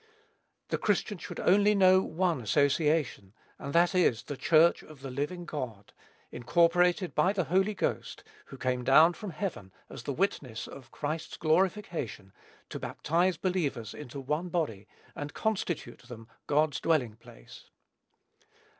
The Christian should only know one association, and that is, the Church of the living God, incorporated by the Holy Ghost, who came down from heaven as the witness of Christ's glorification, to baptize believers into one body, and constitute them God's dwelling place.